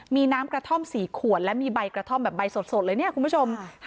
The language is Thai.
มีน้ำกระท่อม๔ขวดและมีใบกระท่อมแบบใบสดเลยเนี่ยคุณผู้ชม